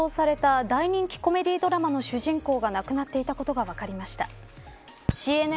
日本でも放送された大人気コメディードラマの主人公が亡くなっていたことが分かりました。